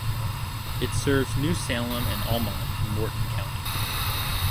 It serves New Salem and Almont in Morton County.